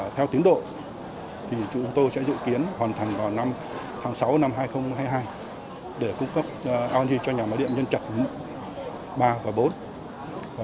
theo tính độ chủ tố sẽ dự kiến hoàn thành vào tháng sáu năm hai nghìn hai mươi hai để cung cấp lng cho nhà bí điện nhân trật ba và bốn